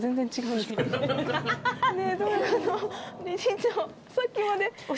一体さっきまで。